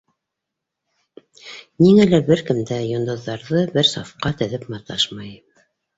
Ниңәлер бер кем дә йондоҙҙарҙы бер сафҡа теҙеп маташмай.